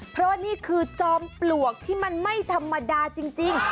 เพราะนี่คือจอมปลวกที่มันไม่ธรรมดาจริง